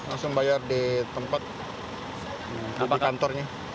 langsung bayar di tempat di kantornya